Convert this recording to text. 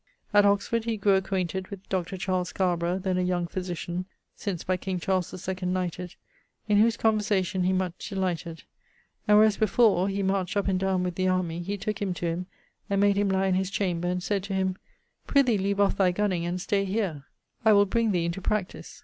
At Oxford, he grew acquainted with Dr. Charles Scarborough, then a young physitian (since by king Charles II knighted), in whose conversation he much delighted; and wheras before, hemarched up and downe with the army, he tooke him to him and made him ly in his chamber, and said to him, 'Prithee leave off thy gunning, and stay here; I will bring thee into practice.'